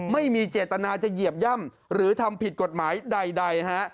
ไม่มีเจตนาจะเหยียบย่ำหรือทำผิดกฎหมายใดฮะ